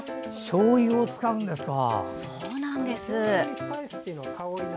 しょうゆを使うんですか。